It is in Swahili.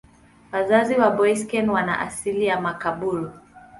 Wazazi wa Boeseken wana asili ya Makaburu.